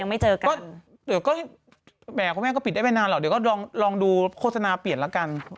แม่ของแม่ก็ผิดได้ไปนานแล้วเดี๋ยวก็ลองดูโฆษณาเปลี่ยนล่ะกัน